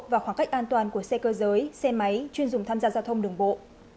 và khoảng cách an toàn của xe cơ giới xe máy chuyên dùng tham gia giao thông đường bộ